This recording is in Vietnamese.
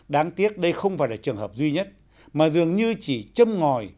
đáng tiếc đây không phải là trường hợp duy nhất mà dường như chỉ châm ngòi